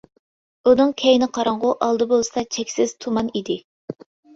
ئۇنىڭ كەينى قاراڭغۇ، ئالدى بولسا چەكسىز تۇمان ئىدى.